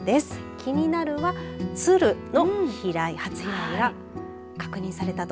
キニナル！はツルの飛来、初飛来が確認されたと。